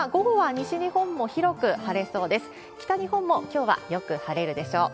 北日本も、きょうはよく晴れるでしょう。